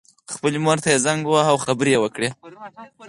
خپلې مور ته یې زنګ وواهه او خبرې یې وکړې